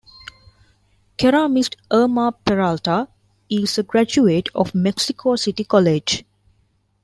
Ceramist Irma Peralta is a graduate of Mexico City College.